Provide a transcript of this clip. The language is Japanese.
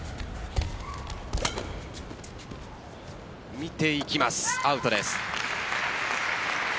見ていきます、アウトです。